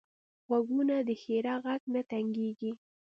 غوږونه د ښیرا غږ نه تنګېږي